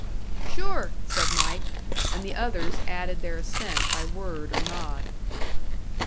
"Sure!" said Mike; and the others added their assent by word or nod.